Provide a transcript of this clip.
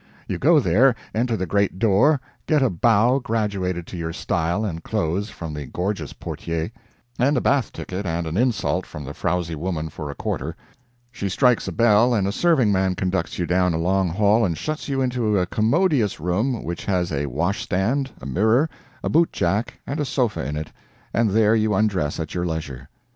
You go there, enter the great door, get a bow graduated to your style and clothes from the gorgeous portier, and a bath ticket and an insult from the frowsy woman for a quarter; she strikes a bell and a serving man conducts you down a long hall and shuts you into a commodious room which has a washstand, a mirror, a bootjack, and a sofa in it, and there you undress at your leisure.